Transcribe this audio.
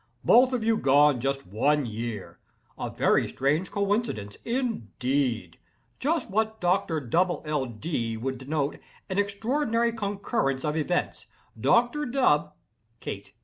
Both of you gone just one year. A very strange coincidence, indeed! Just what Doctor Dubble L. Dee would denominate an extraordinary concurrence of events. Doctor Dub—" KATE.